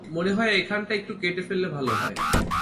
মনে হয় এখানটা একটু কেটে ফেললে ভাল হয়।